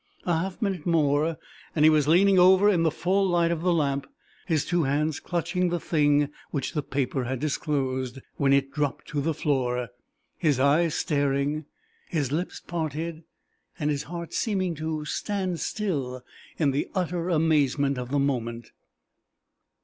A half minute more and he was leaning over in the full light of the lamp, his two hands clutching the thing which the paper had disclosed when it dropped to the floor, his eyes staring, his lips parted, and his heart seeming to stand still in the utter amazement of the moment!